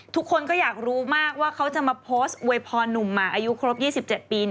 ทุกคนก็อยากรู้มากว่าเขาจะมาโพสต์อวยพรหนุ่มหมาอายุครบ๒๗ปี